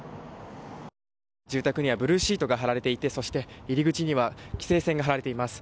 住宅にはブルーシートが張られていてそして入り口には規制線が張られています。